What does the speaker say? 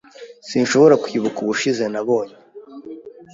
Sinshobora kwibuka ubushize nabonye.